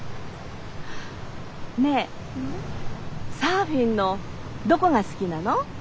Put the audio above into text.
ねえサーフィンのどこが好きなの？